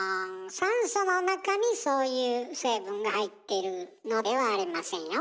酸素の中にそういう成分が入っているのではありませんよ。